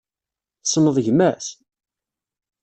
Tessneḍ gma-s?